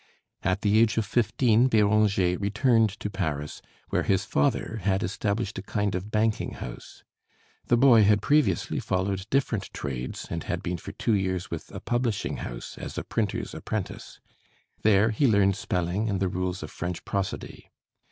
At the age of fifteen Béranger returned to Paris, where his father had established a kind of banking house. The boy had previously followed different trades, and had been for two years with a publishing house as a printer's apprentice. There he learned spelling and the rules of French prosody.